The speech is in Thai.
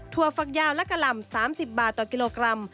ฝักยาวและกะหล่ำ๓๐บาทต่อกิโลกรัม